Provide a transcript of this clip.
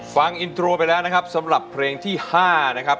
ฟังอินโทรไปแล้วนะครับสำหรับเพลงที่๕นะครับ